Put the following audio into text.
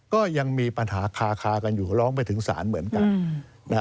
ก็ยังมีปัญหาคากันอยู่ร้องไปถึงศาลเหมือนกัน